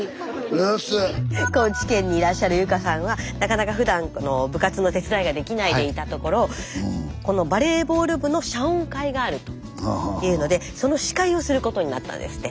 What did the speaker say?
高知県にいらっしゃる侑加さんはなかなかふだん部活の手伝いができないでいたところこのバレーボール部の謝恩会があるというのでその司会をすることになったんですって。